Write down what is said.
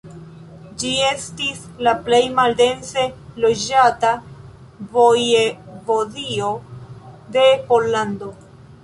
Ĝi estis la plej maldense loĝata vojevodio de Pollando.